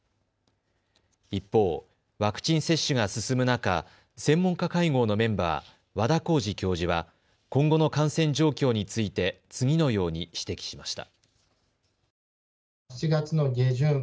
一方、ワクチン接種が進む中、専門家会合のメンバー、和田耕治教授は今後の感染状況について次のように指摘しました。